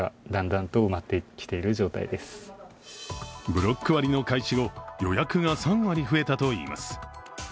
ブロック割の開始後、予約が３割増えたといいます。